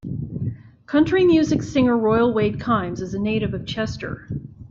Country music singer Royal Wade Kimes is a native of Chester.